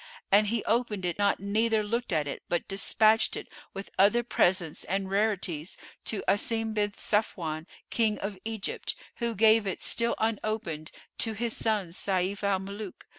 and he opened it not neither looked at it, but despatched it, with other presents and rarities to Asim bin Safwan, King of Egypt, who gave it, still unopened, to his son Sayf al Muluk.